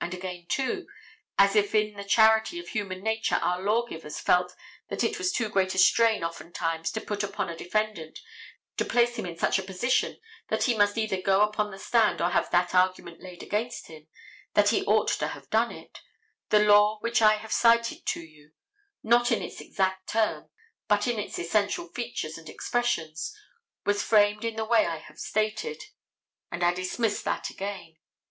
And again, too, as if in the charity of human nature our law givers felt that it was too great a strain oftentimes to put upon a defendant to place him in such a position that he must either go upon the stand or have that argument laid against him, that he ought to have done it, the law which I have cited to you—not in its exact term, but in its essential features and expressions—was framed in the way I have stated. And I dismiss that again.